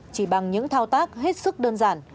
chỉ bằng những thao tác hết sức đơn giản